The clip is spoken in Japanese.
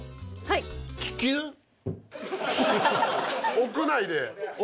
屋内で！